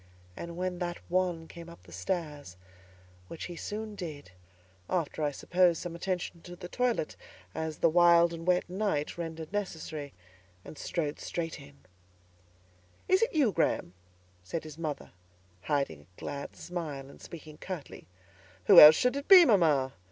And when that one came up the stairs—which he soon did, after, I suppose, some such attention to the toilet as the wild and wet night rendered necessary, and strode straight in— "Is it you, Graham?" said his mother, hiding a glad smile and speaking curtly. "Who else should it be, mamma?"